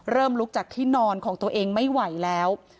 ลุกจากที่นอนของตัวเองไม่ไหวแล้ว